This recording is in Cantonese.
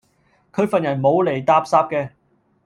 佢份人冇厘搭霎既